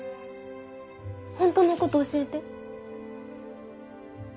ホントのこと教えて。